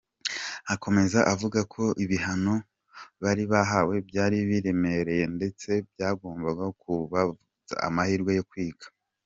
Akomeza avuga ko ibihano bari bahawe byari biremereye ndetse byagombaga kubavutsa amahirwe yo kwiga.